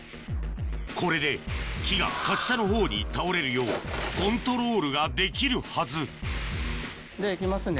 これで木が滑車のほうに倒れるようコントロールができるはずでは行きますね。